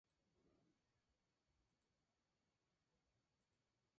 Actualmente es asistente en los Golden State Warriors